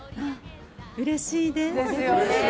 うれしいです。